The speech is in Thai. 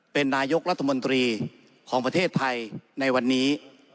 เป็นนายกรัฐมนตรีของประเทศไทยในวันนี้